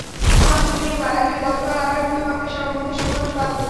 আহত জুয়েল মারা গেলে গতকাল আবার দুই পক্ষের মধ্যে সংঘর্ষ বাধে।